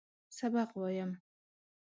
سبق وایم.